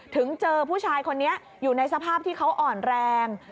ถึงเจอผู้ชายคนนี้อยู่ในสภาพที่เขาอ่อนแรง